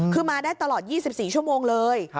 คือมาได้ตลอด๒๔ชั่วโมงเลย